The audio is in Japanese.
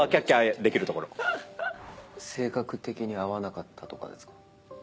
性格的に合わなかったとかですか？